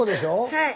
はい。